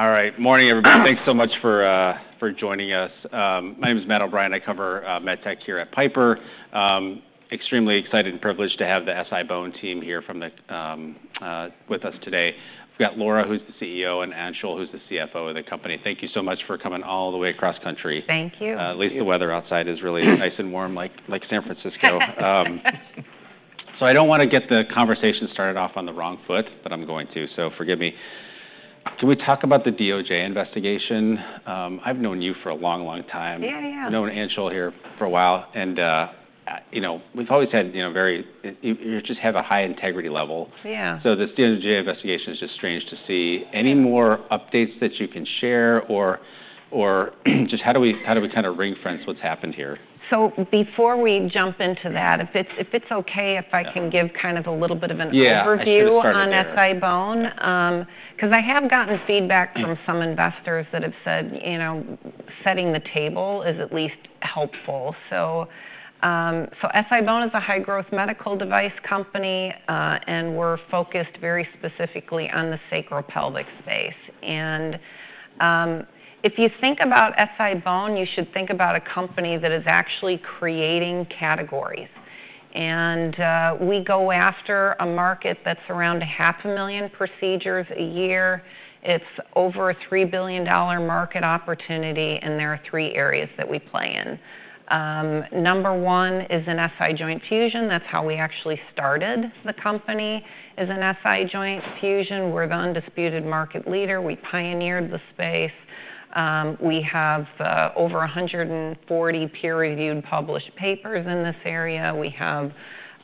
All right. Morning, everybody. Thanks so much for joining us. My name is Matt O'Brien. I cover med tech here at Piper. Extremely excited and privileged to have the SI-BONE team here with us today. We've got Laura, who's the CEO, and Anshul, who's the CFO of the company. Thank you so much for coming all the way across country. Thank you. At least the weather outside is really nice and warm, like San Francisco, so I don't want to get the conversation started off on the wrong foot, but I'm going to, so forgive me. Can we talk about the DOJ investigation? I've known you for a long, long time. Yeah, yeah. I've known Anshul here for a while, and, you know, we've always had, you know, very, you just have a high integrity level. Yeah. This DOJ investigation is just strange to see. Any more updates that you can share, or just how do we kind of ring-fence what's happened here? So before we jump into that, if it's—if it's okay if I can give kind of a little bit of an overview. Yeah, sure. On SI-BONE, because I have gotten feedback from some investors that have said, you know, setting the table is at least helpful. So SI-BONE is a high-growth medical device company, and we're focused very specifically on the sacropelvic space. If you think about SI-BONE, you should think about a company that is actually creating categories. We go after a market that's around 500,000 procedures a year. It's over a $3 billion market opportunity, and there are three areas that we play in. Number one is an SI joint fusion. That's how we actually started the company, is an SI joint fusion. We're the undisputed market leader. We pioneered the space. We have over 140 peer-reviewed published papers in this area. We have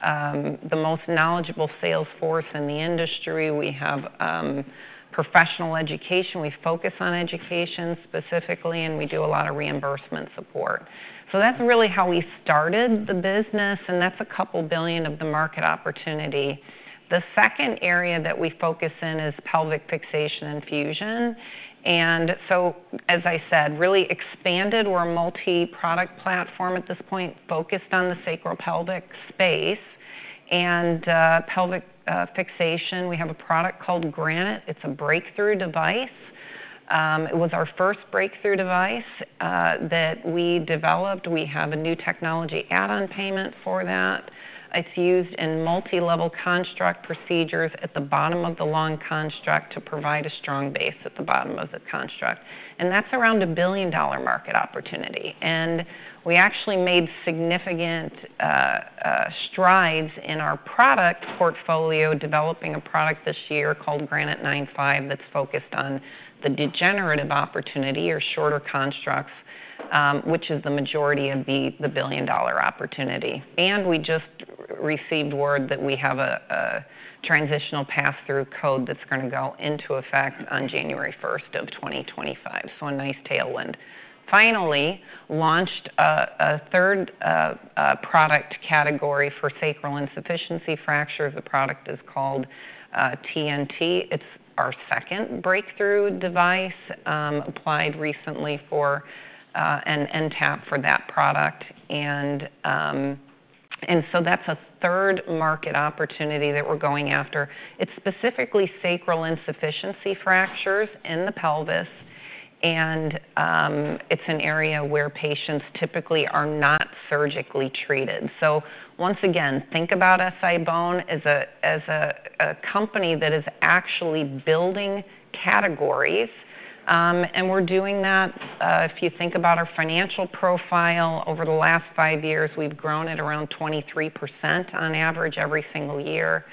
the most knowledgeable sales force in the industry. We have professional education. We focus on education specifically, and we do a lot of reimbursement support. So that's really how we started the business, and that's a couple billion of the market opportunity. The second area that we focus in is pelvic fixation and fusion. And so, as I said, really expanded. We're a multi-product platform at this point, focused on the sacral pelvic space and pelvic fixation. We have a product called Granite. It's a breakthrough device. It was our first breakthrough device that we developed. We have a New Technology Add-on Payment for that. It's used in multilevel construct procedures at the bottom of the long construct to provide a strong base at the bottom of the construct. And that's around a billion-dollar market opportunity. We actually made significant strides in our product portfolio, developing a product this year called Granite 9.5 that's focused on the degenerative opportunity or shorter constructs, which is the majority of the billion-dollar opportunity. We just received word that we have a Transitional Pass-Through code that's going to go into effect on January 1st of 2025. A nice tailwind. Finally, launched a third product category for sacral insufficiency fracture. The product is called TNT. It's our second breakthrough device, applied recently for an NTAP for that product. And so that's a third market opportunity that we're going after. It's specifically sacral insufficiency fractures in the pelvis, and it's an area where patients typically are not surgically treated. Once again, think about SI-BONE as a company that is actually building categories. And we're doing that. If you think about our financial profile over the last five years, we've grown at around 23% on average every single year.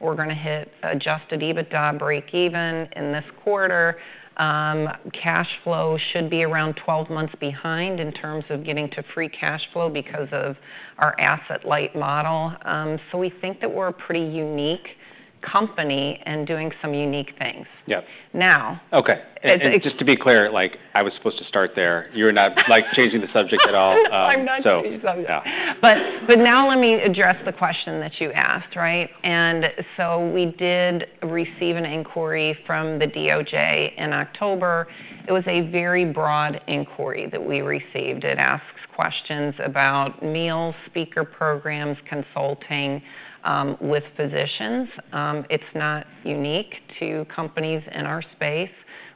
We're going to hit Adjusted EBITDA break-even in this quarter. Cash flow should be around 12 months behind in terms of getting to free cash flow because of our asset light model. So we think that we're a pretty unique company and doing some unique things. Yeah. Now. Okay. Just to be clear, like, I was supposed to start there. You're not, like, changing the subject at all. I'm not changing the subject. Yeah. But now let me address the question that you asked, right? And so we did receive an inquiry from the DOJ in October. It was a very broad inquiry that we received. It asks questions about meals, speaker programs, consulting with physicians. It's not unique to companies in our space.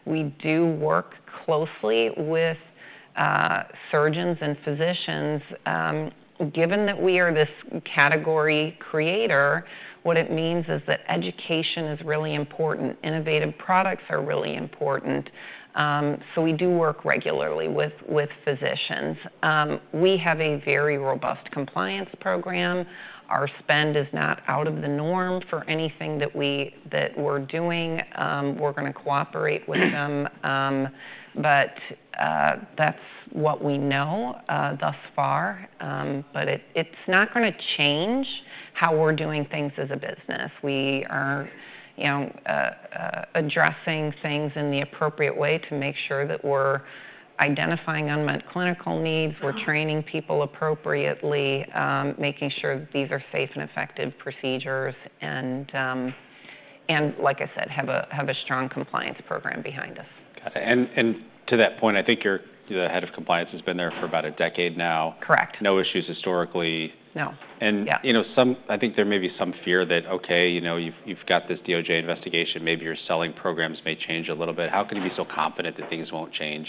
We do work closely with surgeons and physicians. Given that we are this category creator, what it means is that education is really important. Innovative products are really important. So we do work regularly with physicians. We have a very robust compliance program. Our spend is not out of the norm for anything that we're doing. We're going to cooperate with them. But that's what we know, thus far. But it's not going to change how we're doing things as a business. We are, you know, addressing things in the appropriate way to make sure that we're identifying unmet clinical needs. We're training people appropriately, making sure that these are safe and effective procedures, and like I said, have a strong compliance program behind us. Got it. And, to that point, I think your Head of Compliance has been there for about a decade now. Correct. No issues historically. No. You know, I think there may be some fear that, okay, you know, you've got this DOJ investigation. Maybe your selling programs may change a little bit. How can you be so confident that things won't change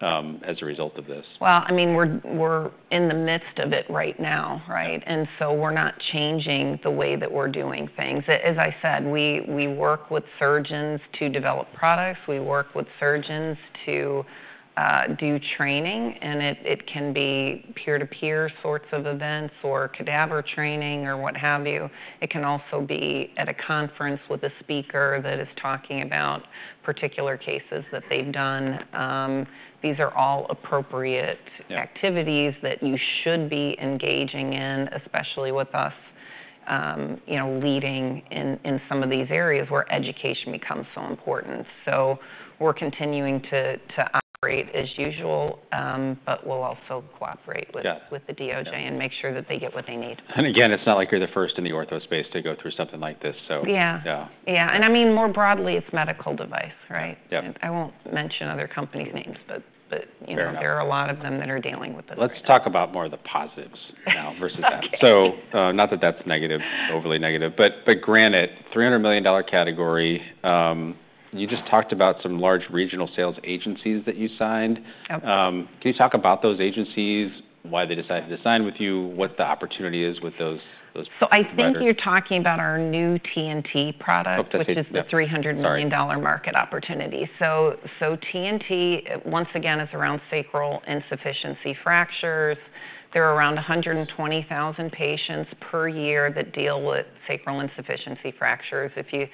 as a result of this? I mean, we're in the midst of it right now, right? And so we're not changing the way that we're doing things. As I said, we work with surgeons to develop products. We work with surgeons to do training. And it can be peer-to-peer sorts of events or cadaver training or what have you. It can also be at a conference with a speaker that is talking about particular cases that they've done. These are all appropriate activities that you should be engaging in, especially with us, you know, leading in some of these areas where education becomes so important. So we're continuing to operate as usual, but we'll also cooperate with the DOJ and make sure that they get what they need. Again, it's not like you're the first in the ortho space to go through something like this, so. Yeah. Yeah. Yeah. And I mean, more broadly, it's medical device, right? Yeah. I won't mention other companies' names, but, you know, there are a lot of them that are dealing with this. Let's talk about more of the positives now versus that. Not that that's negative, overly negative, but Granite, $300 million category. You just talked about some large regional sales agencies that you signed. Okay. Can you talk about those agencies, why they decided to sign with you, what the opportunity is with those, those people? So I think you're talking about our new TNT product, which is the $300 million market opportunity. So TNT, once again, is around sacral insufficiency fractures. There are around 120,000 patients per year that deal with sacral insufficiency fractures. If you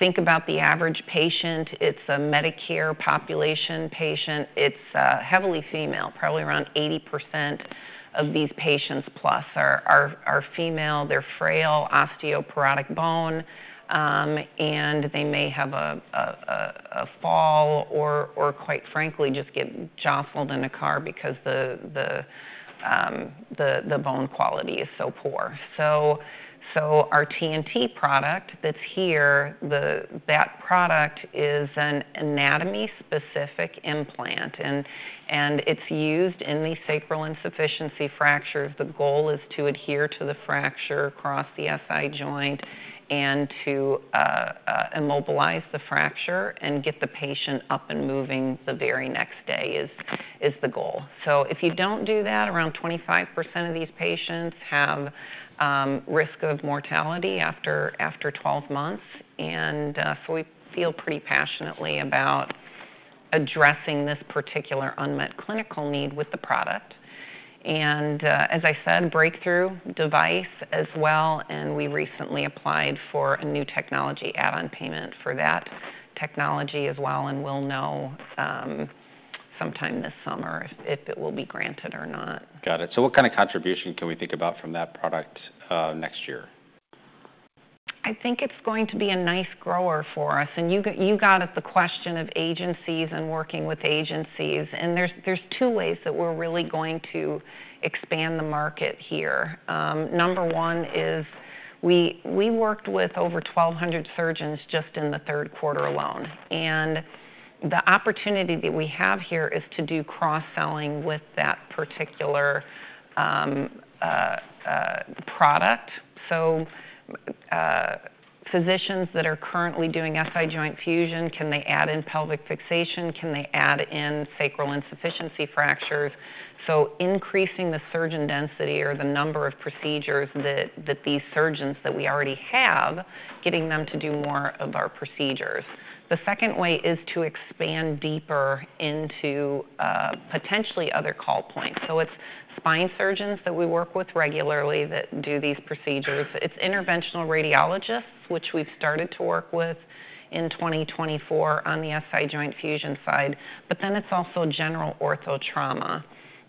think about the average patient, it's a Medicare population patient. It's heavily female. Probably around 80% of these patients plus are female. They're frail, osteoporotic bone, and they may have a fall or quite frankly, just get jostled in a car because the bone quality is so poor. So our TNT product that's here, that product is an anatomy-specific implant. And it's used in the sacral insufficiency fractures. The goal is to adhere to the fracture across the SI joint and to immobilize the fracture and get the patient up and moving the very next day is the goal. So if you don't do that, around 25% of these patients have risk of mortality after 12 months. And so we feel pretty passionately about addressing this particular unmet clinical need with the product. And as I said, breakthrough device as well. And we recently applied for a New Technology Add-on Payment for that technology as well. And we'll know sometime this summer if it will be granted or not. Got it. So what kind of contribution can we think about from that product, next year? I think it's going to be a nice grower for us, and you got at the question of agencies and working with agencies, and there's two ways that we're really going to expand the market here. Number one is we worked with over 1,200 surgeons just in the third quarter alone, and the opportunity that we have here is to do cross-selling with that particular product, so physicians that are currently doing SI joint fusion, can they add in pelvic fixation? Can they add in sacral insufficiency fractures, so increasing the surgeon density or the number of procedures that these surgeons that we already have, getting them to do more of our procedures. The second way is to expand deeper into potentially other call points, so it's spine surgeons that we work with regularly that do these procedures. It's interventional radiologists, which we've started to work with in 2024 on the SI joint fusion side. But then it's also general ortho trauma.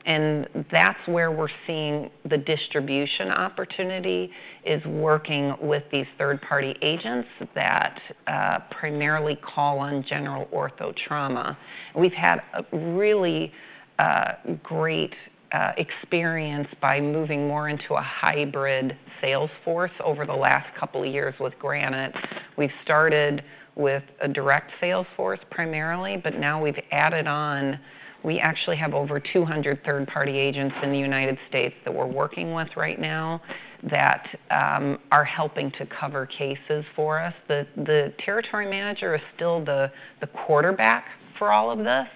And that's where we're seeing the distribution opportunity is working with these third-party agents that primarily call on general ortho trauma. We've had a really great experience by moving more into a hybrid salesforce over the last couple of years with Granite. We've started with a direct salesforce primarily, but now we've added on. We actually have over 200 third-party agents in the United States that we're working with right now that are helping to cover cases for us. The territory manager is still the quarterback for all of this,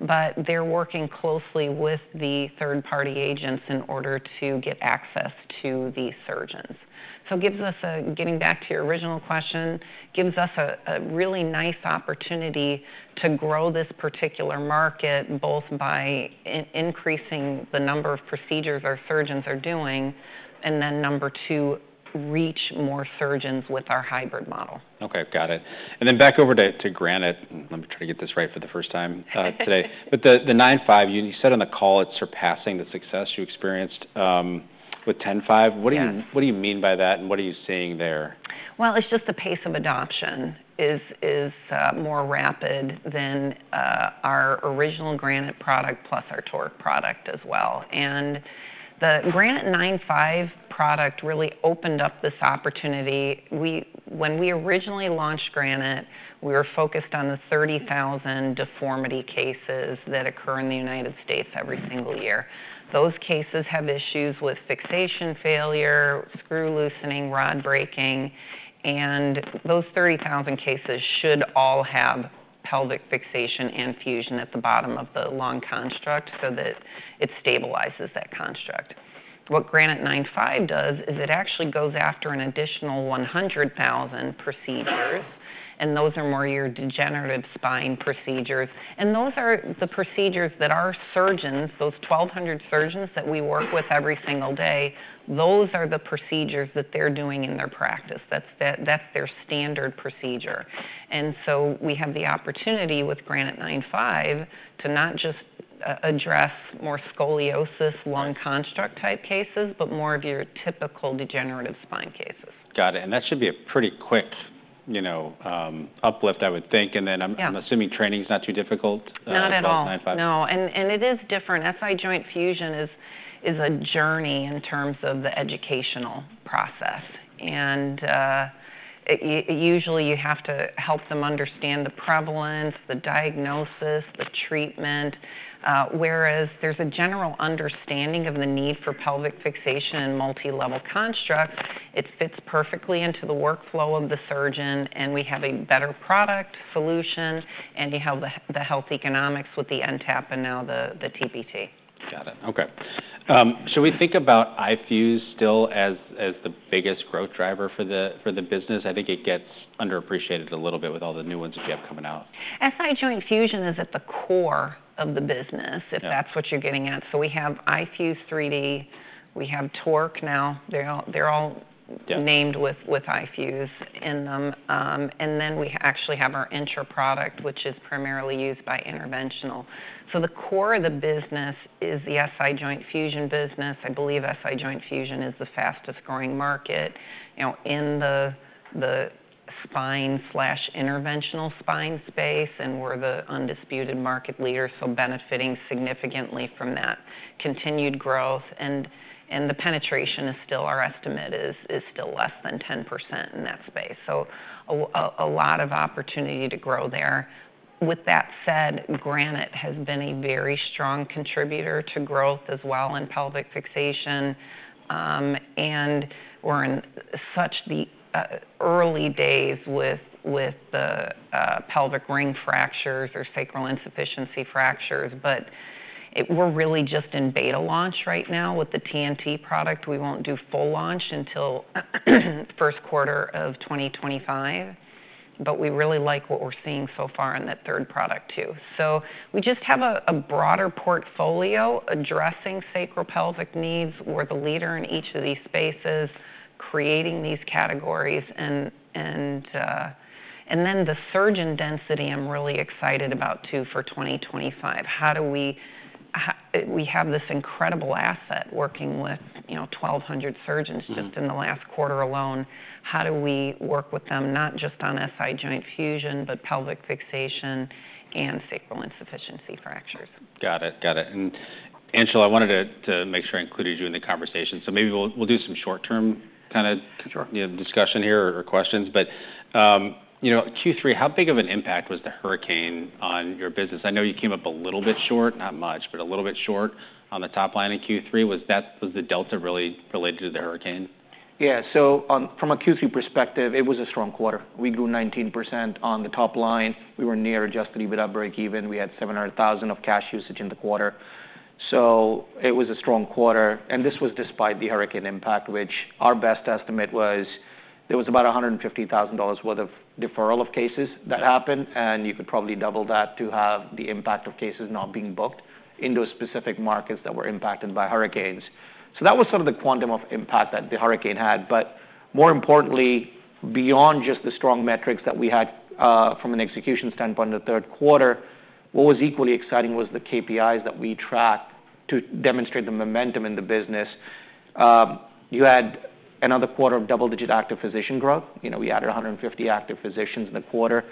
but they're working closely with the third-party agents in order to get access to these surgeons. Getting back to your original question, it gives us a really nice opportunity to grow this particular market, both by increasing the number of procedures our surgeons are doing, and then number two, reach more surgeons with our hybrid model. Okay. Got it. And then back over to Granite. Let me try to get this right for the first time today. But the 9.5, you said on the call it's surpassing the success you experienced with 10.5. What do you mean by that? And what are you seeing there? It's just the pace of adoption is more rapid than our original Granite product plus our TORQ product as well. The Granite 9.5 product really opened up this opportunity. When we originally launched Granite, we were focused on the 30,000 deformity cases that occur in the United States every single year. Those cases have issues with fixation failure, screw loosening, rod breaking. Those 30,000 cases should all have pelvic fixation and fusion at the bottom of the long construct so that it stabilizes that construct. What Granite 9.5 does is it actually goes after an additional 100,000 procedures, and those are more your degenerative spine procedures. Those are the procedures that our surgeons, those 1,200 surgeons that we work with every single day, those are the procedures that they're doing in their practice. That's their standard procedure. We have the opportunity with Granite 9.5 to not just address more scoliosis, long construct type cases, but more of your typical degenerative spine cases. Got it. And that should be a pretty quick, you know, uplift, I would think. And then I'm assuming training's not too difficult. Not at all. For 9.5. No. And it is different. SI joint fusion is a journey in terms of the educational process. It usually you have to help them understand the prevalence, the diagnosis, the treatment. Whereas there's a general understanding of the need for pelvic fixation and multi-level constructs, it fits perfectly into the workflow of the surgeon, and we have a better product solution, and you have the health economics with the NTAP and now the TPT. Got it. Okay. Should we think about iFuse still as the biggest growth driver for the business? I think it gets underappreciated a little bit with all the new ones that you have coming out. SI joint fusion is at the core of the business, if that's what you're getting at. We have iFuse 3D, we have TORQ now. They're all named with iFuse in them, and then we actually have our Intra product, which is primarily used by interventional. The core of the business is the SI joint fusion business. I believe SI joint fusion is the fastest growing market, you know, in the spine slash interventional spine space, and we're the undisputed market leader, so benefiting significantly from that continued growth. The penetration is still, our estimate is still less than 10% in that space. A lot of opportunity to grow there. With that said, Granite has been a very strong contributor to growth as well in pelvic fixation. And we're in such early days with the pelvic ring fractures or sacral insufficiency fractures. But we're really just in beta launch right now with the TNT product. We won't do full launch until the first quarter of 2025. But we really like what we're seeing so far in that third product too. So we just have a broader portfolio addressing sacral pelvic needs. We're the leader in each of these spaces, creating these categories. And then the surgeon density I'm really excited about too for 2025. How do we have this incredible asset working with, you know, 1,200 surgeons just in the last quarter alone. How do we work with them not just on SI joint fusion, but pelvic fixation and sacral insufficiency fractures? Got it. Got it. And, Anshul, I wanted to make sure I included you in the conversation. So maybe we'll do some short-term kind of, you know, discussion here or questions. But, you know, Q3, how big of an impact was the hurricane on your business? I know you came up a little bit short, not much, but a little bit short on the top line in Q3. Was that the delta really related to the hurricane? Yeah. So on from a Q3 perspective, it was a strong quarter. We grew 19% on the top line. We were near adjusted EBITDA break-even. We had $700,000 of cash usage in the quarter. So it was a strong quarter. And this was despite the hurricane impact, which our best estimate was there was about $150,000 worth of deferral of cases that happened. And you could probably double that to have the impact of cases not being booked in those specific markets that were impacted by hurricanes. So that was sort of the quantum of impact that the hurricane had. But more importantly, beyond just the strong metrics that we had, from an execution standpoint in the third quarter, what was equally exciting was the KPIs that we track to demonstrate the momentum in the business. You had another quarter of double-digit active physician growth. You know, we added 150 active physicians in the quarter.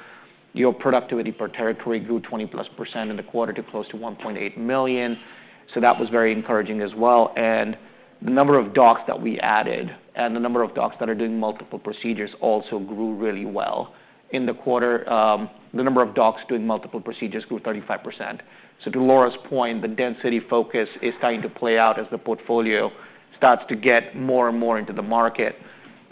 Your productivity per territory grew 20+% in the quarter to close to $1.8 million. So that was very encouraging as well. And the number of docs that we added and the number of docs that are doing multiple procedures also grew really well in the quarter. The number of docs doing multiple procedures grew 35%. So to Laura's point, the density focus is starting to play out as the portfolio starts to get more and more into the market.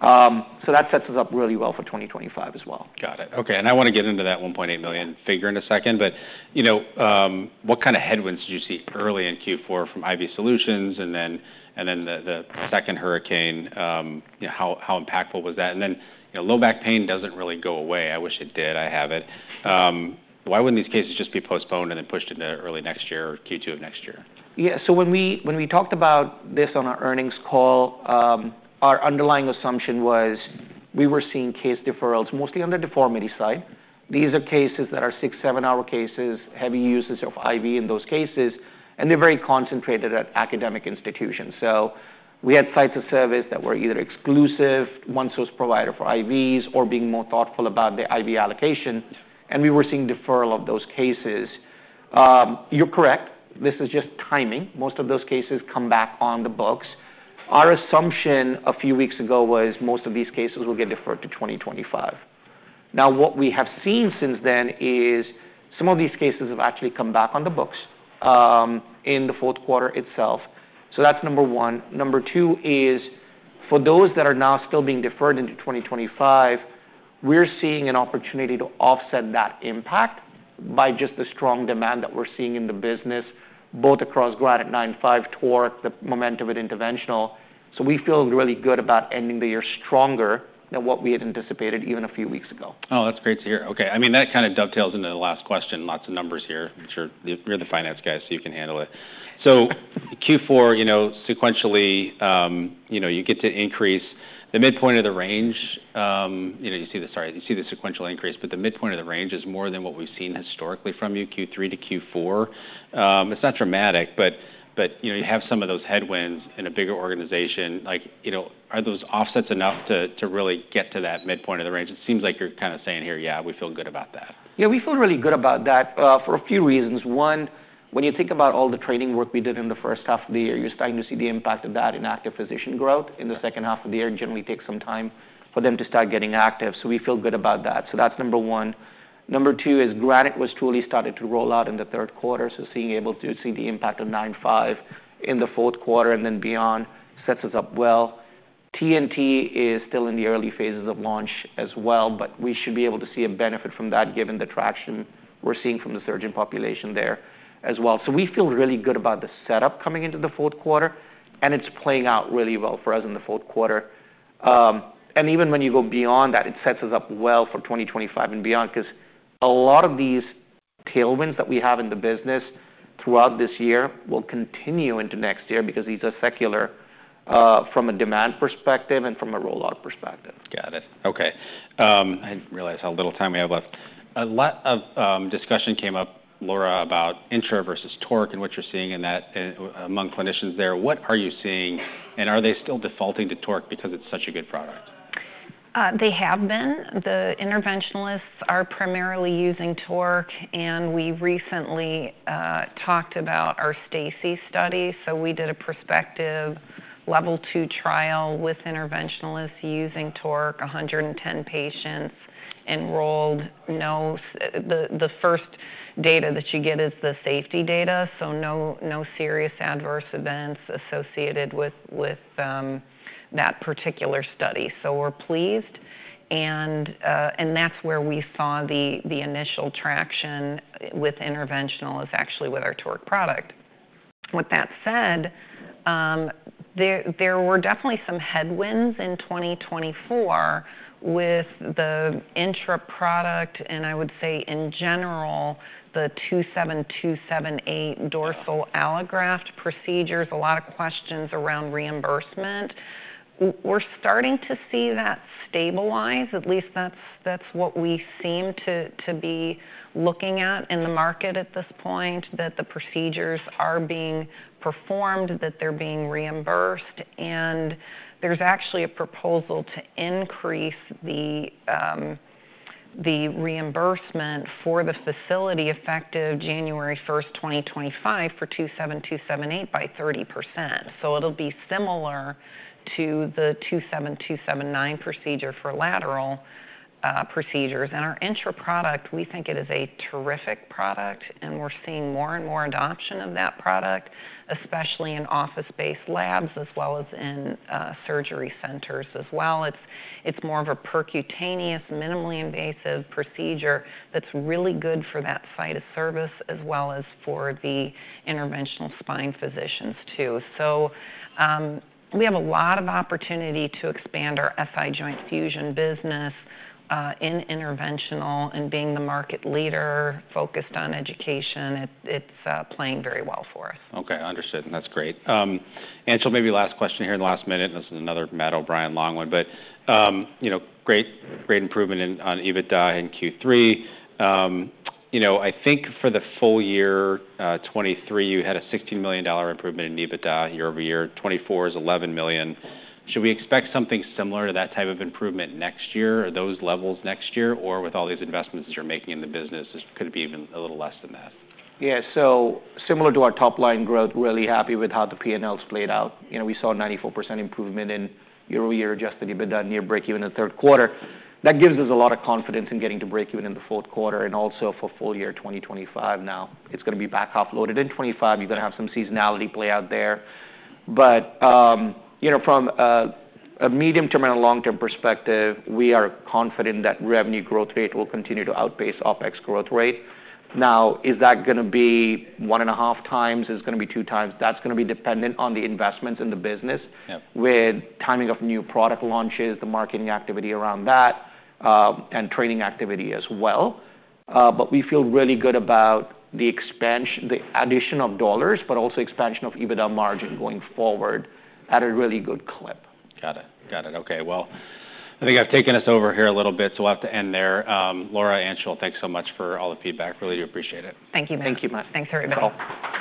So that sets us up really well for 2025 as well. Got it. Okay. And I want to get into that 1.8 million figure in a second. But, you know, what kind of headwinds did you see early in Q4 from IV solutions? And then the second hurricane, you know, how impactful was that? And then, you know, low back pain doesn't really go away. I wish it did. I have it. Why wouldn't these cases just be postponed and then pushed into early next year or Q2 of next year? Yeah. So when we talked about this on our earnings call, our underlying assumption was we were seeing case deferrals mostly on the deformity side. These are cases that are six, seven-hour cases, heavy uses of IV in those cases, and they're very concentrated at academic institutions. So we had sites of service that were either exclusive one source provider for IVs or being more thoughtful about the IV allocation. And we were seeing deferral of those cases. You're correct. This is just timing. Most of those cases come back on the books. Our assumption a few weeks ago was most of these cases will get deferred to 2025. Now, what we have seen since then is some of these cases have actually come back on the books, in the fourth quarter itself. So that's number one. Number two is for those that are now still being deferred into 2025. We're seeing an opportunity to offset that impact by just the strong demand that we're seeing in the business, both across Granite 9.5, TORQ, the momentum of interventional. So we feel really good about ending the year stronger than what we had anticipated even a few weeks ago. Oh, that's great to hear. Okay. I mean, that kind of dovetails into the last question. Lots of numbers here. I'm sure you're the finance guy, so you can handle it. So Q4, you know, sequentially, you know, you get to increase the midpoint of the range. You know, you see the, sorry, you see the sequential increase, but the midpoint of the range is more than what we've seen historically from you, Q3 to Q4. It's not dramatic, but, you know, you have some of those headwinds in a bigger organization. Like, you know, are those offsets enough to really get to that midpoint of the range? It seems like you're kind of saying here, yeah, we feel good about that. Yeah, we feel really good about that, for a few reasons. One, when you think about all the training work we did in the first half of the year, you're starting to see the impact of that in active physician growth in the second half of the year. It generally takes some time for them to start getting active. So we feel good about that. So that's number one. Number two is Granite truly started to roll out in the third quarter. So being able to see the impact of 9.5 in the fourth quarter and then beyond sets us up well. TNT is still in the early phases of launch as well, but we should be able to see a benefit from that given the traction we're seeing from the surgeon population there as well. So we feel really good about the setup coming into the fourth quarter, and it's playing out really well for us in the fourth quarter, and even when you go beyond that, it sets us up well for 2025 and beyond because a lot of these tailwinds that we have in the business throughout this year will continue into next year because these are secular, from a demand perspective and from a rollout perspective. Got it. Okay. I didn't realize how little time we have left. A lot of discussion came up, Laura, about Intra versus TORQ and what you're seeing in that among clinicians there. What are you seeing? And are they still defaulting to TORQ because it's such a good product? They have been. The interventionalists are primarily using TORQ, and we recently talked about our STACI study. So we did a prospective level two trial with interventionalists using TORQ, 110 patients enrolled. No, the first data that you get is the safety data. So no serious adverse events associated with that particular study. So we're pleased. And that's where we saw the initial traction with interventionalists is actually with our TORQ product. With that said, there were definitely some headwinds in 2024 with the Intra product, and I would say in general, the 27278 dorsal allograft procedures, a lot of questions around reimbursement. We're starting to see that stabilize. At least that's what we seem to be looking at in the market at this point, that the procedures are being performed, that they're being reimbursed. There's actually a proposal to increase the reimbursement for the facility effective January 1st, 2025 for 27278 by 30%. It'll be similar to the 27279 procedure for lateral procedures. Our Intra product, we think it is a terrific product, and we're seeing more and more adoption of that product, especially in office-based labs as well as in surgery centers as well. It's more of a percutaneous, minimally invasive procedure that's really good for that site of service as well as for the interventional spine physicians too. We have a lot of opportunity to expand our SI joint fusion business, in interventional and being the market leader focused on education. It's playing very well for us. Okay. Understood. And that's great. Anshul, maybe last question here in the last minute. This is another Matt O'Brien long one, but, you know, great, great improvement in EBITDA in Q3. You know, I think for the full year, 2023, you had a $16 million improvement in EBITDA year-over-year. 2024 is $11 million. Should we expect something similar to that type of improvement next year or those levels next year or with all these investments that you're making in the business, could it be even a little less than that? Yeah. So similar to our top line growth, really happy with how the P&Ls played out. You know, we saw a 94% improvement in year-over-year adjusted EBITDA near break-even in the third quarter. That gives us a lot of confidence in getting to break-even in the fourth quarter and also for full year 2025. Now it's going to be back half loaded in 2025. You're going to have some seasonality play out there. But, you know, from a medium-term and a long-term perspective, we are confident that revenue growth rate will continue to outpace OpEx growth rate. Now, is that going to be one and a half times? Is it going to be two times? That's going to be dependent on the investments in the business with timing of new product launches, the marketing activity around that, and training activity as well. but we feel really good about the expansion, the addition of dollars, but also expansion of EBITDA margin going forward at a really good clip. Got it. Got it. Okay. Well, I think I've taken us over here a little bit, so we'll have to end there. Laura, Anshul, thanks so much for all the feedback. Really do appreciate it. Thank you, Matt. Thank you, Matt. Thanks everybody. Bye.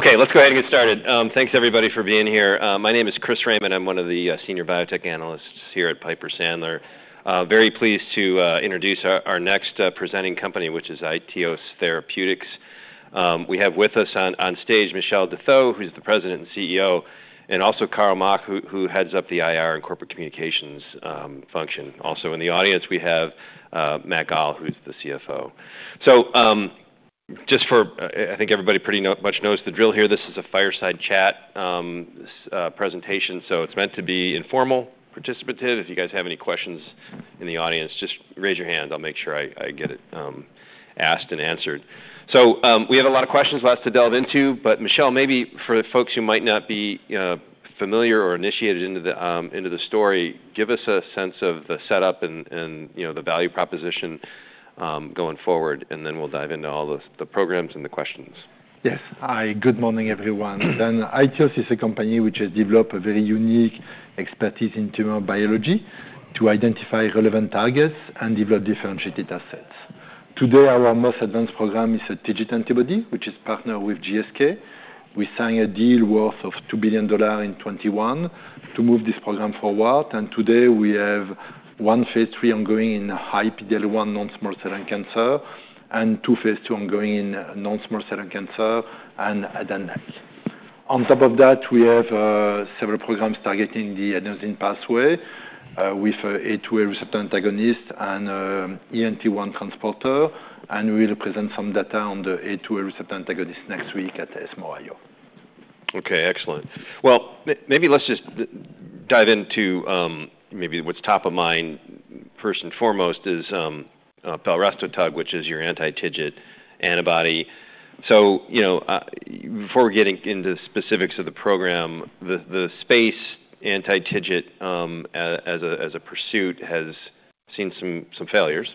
Okay. Let's go ahead and get started. Thanks everybody for being here. My name is Chris Raymond. I'm one of the Senior Biotech Analysts here at Piper Sandler. Very pleased to introduce our next presenting company, which is iTeos Therapeutics. We have with us on stage Michel Detheux, who's the president and CEO, and also Carl Mauch, who heads up the IR and corporate communications function. Also in the audience, we have Matt Gall, who's the CFO. So, just for, I think everybody pretty much knows the drill here. This is a fireside chat presentation. So it's meant to be informal, participative. If you guys have any questions in the audience, just raise your hand. I'll make sure I get it asked and answered. So, we have a lot of questions left to delve into, but Michel, maybe for the folks who might not be familiar or initiated into the story, give us a sense of the setup and you know, the value proposition going forward, and then we'll dive into all the programs and the questions. Yes. Hi, good morning everyone. iTeos is a company which has developed a very unique expertise in tumor biology to identify relevant targets and develop differentiated assets. Today, our most advanced program is a TIGIT antibody, which is partnered with GSK. We signed a deal worth of $2 billion in 2021 to move this program forward. Today we have one phase three ongoing in high PD-L1 non-small cell lung cancer and two phase two ongoing in non-small cell lung cancer and adenocarcinoma. On top of that, we have several programs targeting the adenosine pathway, with an A2A receptor antagonist and ENT1 transporter. We'll present some data on the A2A receptor antagonist next week at ESMO IO. Okay. Excellent. Well, maybe let's just dive into, maybe what's top of mind first and foremost is, belrestotug, which is your anti-TIGIT antibody. So, you know, before we get into the specifics of the program, the anti-TIGIT space, as a pursuit has seen some failures.